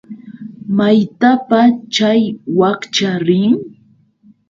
¿Maytapa chay wakcha rin?